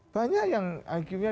banyak yang iq nya